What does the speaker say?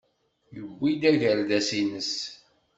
Yewwi-d agerdas-nnes.